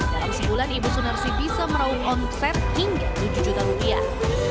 dalam sebulan ibu sunarsi bisa merauh on set hingga tujuh juta rupiah